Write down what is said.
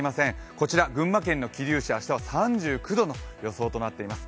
こちら群馬県の桐生市明日は３９度の予想となっています